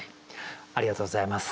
ありがとうございます。